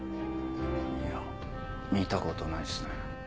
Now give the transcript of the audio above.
いや見た事ないですね。